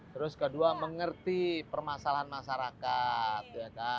terus kedua mengerti permasalahan masyarakat